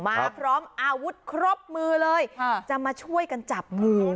มาพร้อมอาวุธครบมือเลยจะมาช่วยกันจับงู